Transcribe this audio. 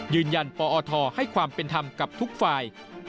ยืนยันปอทให้ความเป็นธรรมกับทุกฝ่าย